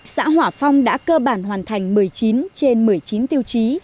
xã hỏa phong đã cơ bản hoàn thành một mươi chín trên một mươi chín tiêu chí